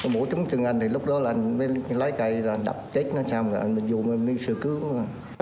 mổ trúng trần anh thì lúc đó là anh mới lấy cây rồi đập chết xong rồi anh dùng đi sửa cướp